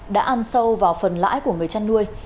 đã ăn sâu vào phần lãi của người chăn nuôi